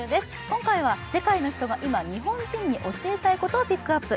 今回は世界の人が今、日本人に教えたいことをピックアップ。